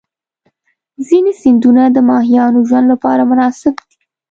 ځینې سیندونه د ماهیانو ژوند لپاره مناسب دي.